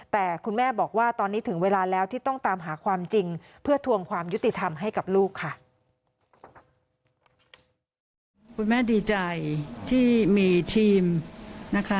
แต่คุณแม่บอกว่าตอนนี้ถึงเวลาแล้วที่ต้องตามหาความจริงเพื่อทวงความยุติธรรมให้กับลูกค่ะ